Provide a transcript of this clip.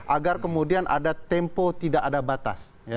agar kemudian ada tempo tidak ada batas